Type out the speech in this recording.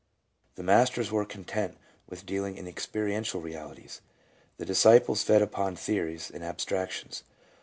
The Masters were content with dealing in experiential realities; the disciples fed upon theories and abstractions.